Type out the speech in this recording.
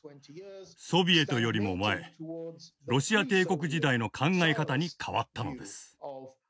ソビエトよりも前ロシア帝国時代の考え方に変わったのです。